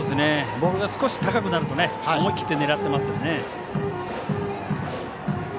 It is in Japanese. ボールが少し高くなると思い切って狙っていますね。